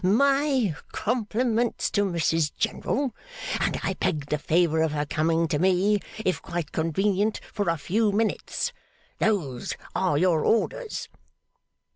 My compliments to Mrs General, and I beg the favour of her coming to me, if quite convenient, for a few minutes. Those are your orders.